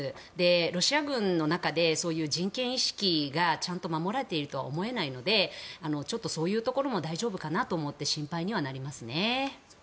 ロシア軍の中でそういう人権意識がちゃんと守られているとは思えないのでそういうところも大丈夫かなと思って心配になりますね。